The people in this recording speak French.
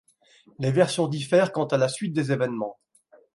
Les versions diffèrent quant à la suite des événements.